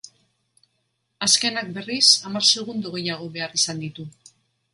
Azkenak, berriz, hamar segundo gehiago behar izan ditu.